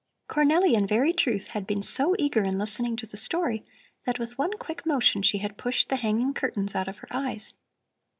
Cornelli in very truth had been so eager in listening to the story that with one quick motion she had pushed the hanging curtains out of her eyes.